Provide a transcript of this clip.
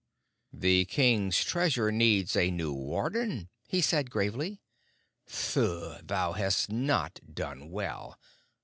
"The King's Treasure needs a new Warden," he said gravely. "Thuu, thou hast not done well.